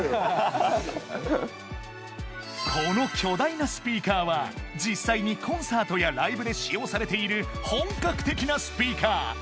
この巨大なスピーカーは実際にコンサートやライブで使用されている本格的なスピーカー